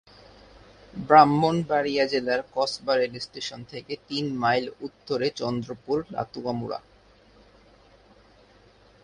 ব্রাহ্মণবাড়িয়া জেলার কসবা রেলস্টেশন থেকে তিন মাইল উত্তরে চন্দ্রপুর-লাতুয়ামুড়া।